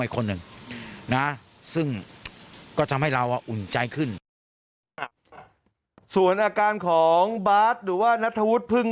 มีคนหนึ่งนะซึ่งก็ทำให้เราอุ่นใจขึ้นส่วนอาการของบาทหรือว่านัทวุฒิพึ่ง